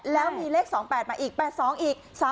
แล้วมีเลข๒๘มาอีก๘๒อีก